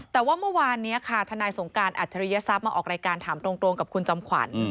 แต่ว่าเมื่อวานนี้ค่ะทนายสงการอัจฉริยศัพย์มาออกรายการถามตรงกับคุณจอมขวัญ